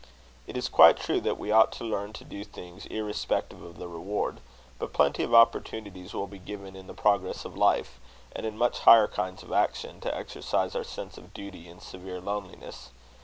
It is quite true that we ought to learn to do things irrespective of the reward; but plenty of opportunities will be given in the progress of life, and in much higher kinds of action, to exercise our sense of duty in severe loneliness.